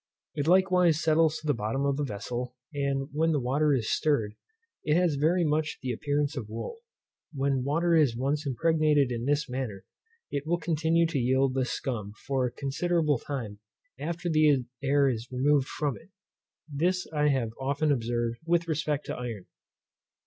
It likewise settles to the bottom of the vessel, and when the water is stirred, it has very much the appearance of wool. When water is once impregnated in this manner, it will continue to yield this scum for a considerable time after the air is removed from it. This I have often observed with respect to iron.